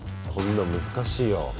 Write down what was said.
こんなん難しいよ。